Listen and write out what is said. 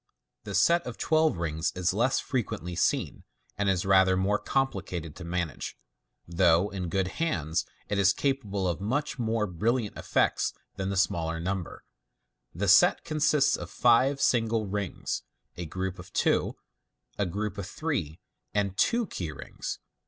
The set of twelve rings is less frequently seen, and is rather more complicated to manage, though in good hands it is capable of much more brilliant effects than the smaller number. The set consists of fi e single rings, a group of two, a group of three, and two key rings.